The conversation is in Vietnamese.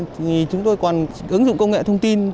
thì chúng tôi còn ứng dụng công nghệ thông tin